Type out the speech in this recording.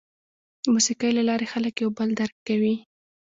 د موسیقۍ له لارې خلک یو بل درک کوي.